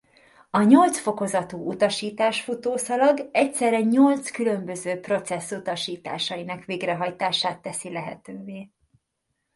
A nyolc fokozatú utasítás-futószalag egyszerre nyolc különböző processz utasításainak végrehajtását teszi lehetővé.